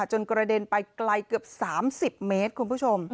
จนกระเด็นไปไกลเกือบ๓๐เมตร